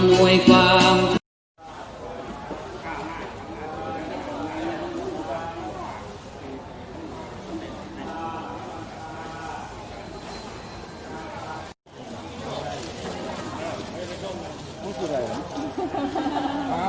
สวัสดีทุกคน